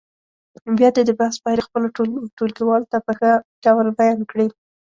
بیا دې د بحث پایلې خپلو ټولو ټولګیوالو ته په ښه ډول بیان کړي.